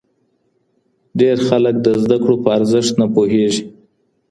ډېر خلک د زده کړو په ارزښت نه پوهېدل.